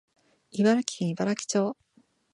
茨城県茨城町